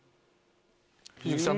藤木さん